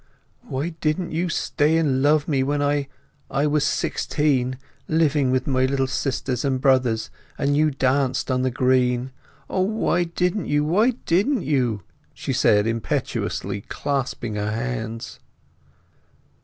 "Why didn't you stay and love me when I—was sixteen; living with my little sisters and brothers, and you danced on the green? O, why didn't you, why didn't you!" she said, impetuously clasping her hands.